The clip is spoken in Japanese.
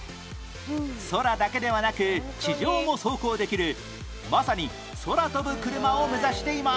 空だけではなく地上も走行できるまさに空飛ぶ車を目指しています